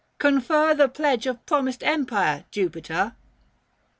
Confer The pledge of promised empire, Jupiter